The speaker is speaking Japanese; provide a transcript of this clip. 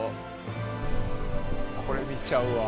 これ見ちゃうわ。